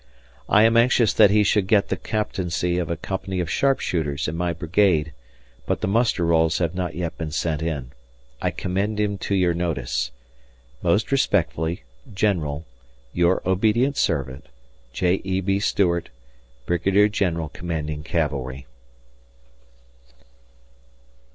I am anxious that he should get the Captaincy of a Company of Sharpshooters in my brigade, but the muster rolls have not yet been sent in. I commend him to your notice. Most respectfully, General, Your obedient servant, J. E. B. Stuart, Brigadier General Commanding Cavalry.